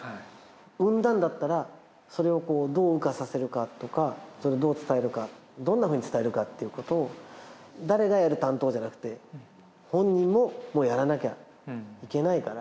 生んだんだったらそれをどう羽化させるかとかどう伝えるかどんなふうに伝えるかっていうことを誰がやる担当じゃなくて本人もやらなきゃいけないから。